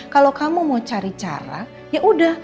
kalau kamu mau cari cara ya udah